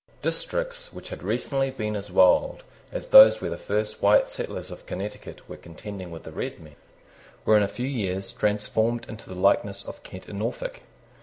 Districts, which had recently been as wild as those where the first white settlers of Connecticut were contending with the red men, were in a few years transformed into the likeness of Kent and Norfolk.